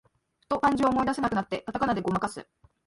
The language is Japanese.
ふと漢字を思い出せなくなって、カタカナでごまかす